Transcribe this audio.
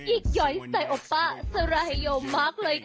อีกย้อยสไตโอป้าสรายโยมมากเลยค่ะ